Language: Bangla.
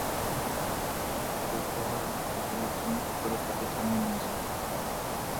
পুলিশ তাকে শিশু অপহরণকারী বলে চিহ্নিত করে তাকে থানায় নিয়ে যায়।